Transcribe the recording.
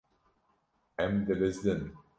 Em dibizdin.